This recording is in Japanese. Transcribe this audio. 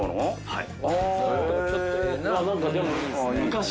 はい。